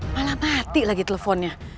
malah mati lagi teleponnya